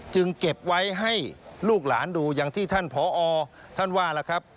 เก็บไว้ให้ลูกหลานดูอย่างที่ท่านผอท่านว่าล่ะครับ